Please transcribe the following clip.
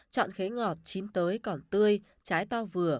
chọn khế ngọt chín tới còn tươi trái to vừa